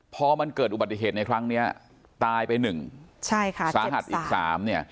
พอมันเกิดอุบัติเหตุในครั้งนี้ตายไปหนึ่งสาหัสอีกสาม